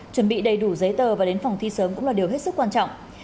chuẩn bị đầy đủ giấy tờ và đến phòng thi sớm cũng là điều hết sức quan trọng